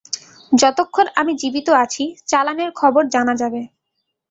যতক্ষণ আমি জীবিত আছি, চালানের খবর জানা থাকবে।